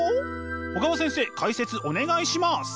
小川先生解説お願いします。